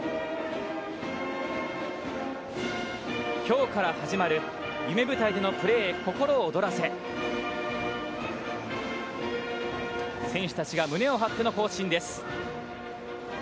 きょうから始まる夢舞台でのプレーへ心を躍らせ、選手たちが胸を張っての行進です。